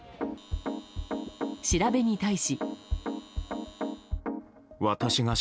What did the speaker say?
調べに対し。